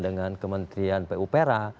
dengan kementerian pupera